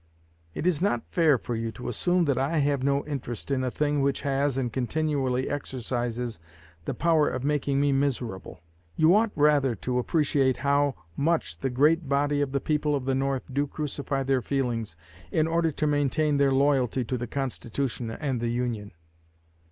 It is not fair for you to assume that I have no interest in a thing which has, and continually exercises, the power of making me miserable. You ought rather to appreciate how much the great body of the people of the North do crucify their feelings in order to maintain their loyalty to the Constitution and the Union.